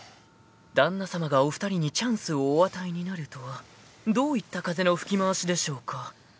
［旦那さまがお二人にチャンスをお与えになるとはどういった風の吹き回しでしょうか］